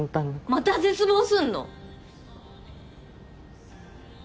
また絶望すんの？